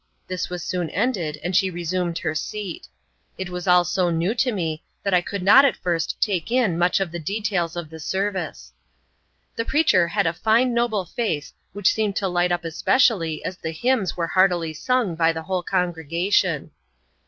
This was soon ended and she resumed her seat. It was all so new to me that I could not at first take in much of the details of the service. The preacher had a fine noble face which seemed to light up especially as the hymns were heartily sung by the whole congregation.